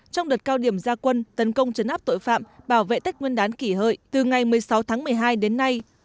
trong đợt cao điểm gia quân tấn công chấn áp tội phạm bảo vệ tích nguyên đán kỷ hợi từ ngày một mươi sáu tháng một mươi hai đến nay